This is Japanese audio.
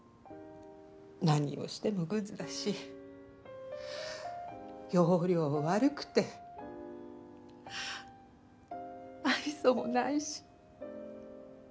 何をしてもグズだし要領悪くて愛想もないし。